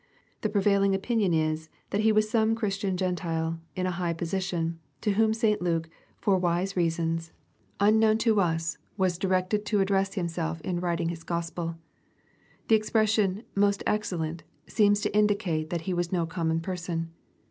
The prevailing opinion is, that he was some Christian Gentile, fa: a high position, to whom St. Luke, for wise reasons, mUoiown LUKB, OHAP. I. 7 to us, was directed to address himself in writing his Gk)spel The expression *'most excellent," seems to indicate that he was no common person.